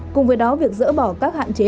cùng với đó việc dỡ bỏ các hạn chế